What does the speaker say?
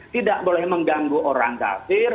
tidak boleh mengganggu orang kafir